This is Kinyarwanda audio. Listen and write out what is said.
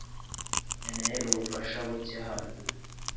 Nkeneye ubufasha buke hano .